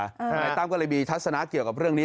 นายตั้มก็เลยมีทัศนะเกี่ยวกับเรื่องนี้